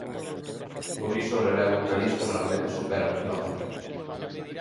Por iso o relevo en Calisto raramente supera un quilómetro.